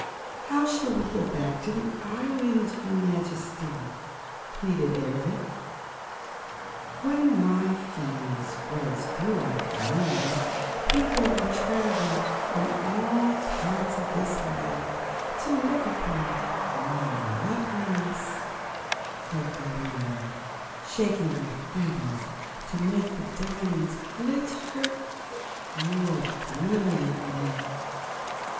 "How shall we get back to the island, your Majesty?" pleaded Ervic. "When my fame spreads throughout the land, people will travel from all parts of this lake to look upon my loveliness," said Coo ee oh, shaking her feathers to make the diamonds glitter more brilliantly.